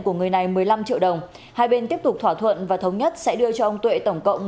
của người này một mươi năm triệu đồng hai bên tiếp tục thỏa thuận và thống nhất sẽ đưa cho ông tuệ tổng cộng